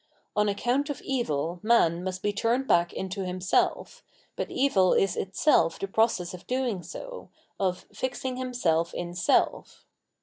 On account of evil man must be turned back into himself, but evil is itself the process of doing so, of "fixing himself in self."